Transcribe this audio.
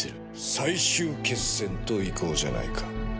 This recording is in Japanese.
最終決戦と行こうじゃないか。